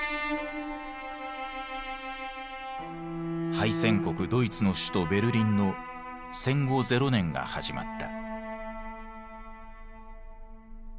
敗戦国ドイツの首都ベルリンの戦後ゼロ年が始まった。